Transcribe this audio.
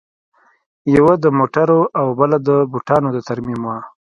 یوه د موټرو او بله د بوټانو د ترمیم وه